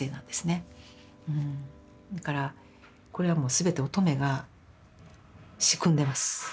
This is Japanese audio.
だからこれはもう全て音十愛が仕組んでます。